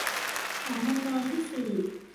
ฐานันดรที่สี่